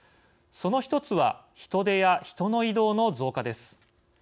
その１つは人出や人の移動の増加です。